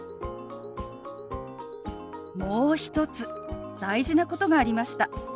もう一つ大事なことがありました。